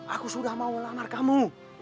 aku sudah mau melamar kamu